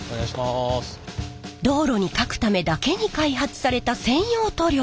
道路にかくためだけに開発された専用塗料。